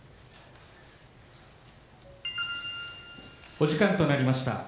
お時間となりました。